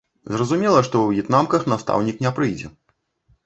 Зразумела, што ў в'етнамках настаўнік не прыйдзе.